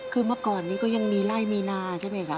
คือเมื่อก่อนนี้ก็ยังมีไล่มีนาใช่ไหมคะ